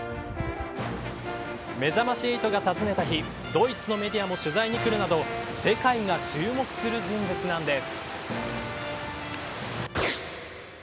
めざまし８が訪ねた日ドイツのメディアも取材に来るなど世界が注目する人物なんです。